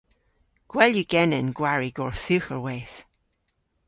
Gwell yw genen gwari gorthugherweyth.